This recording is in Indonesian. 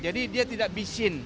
jadi dia tidak bisin